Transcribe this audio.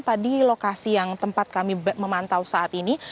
tadi lokasi yang tempat kami memantau saat ini